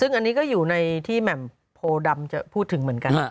ซึ่งอันนี้ก็อยู่ในที่แหม่มโพดำจะพูดถึงเหมือนกัน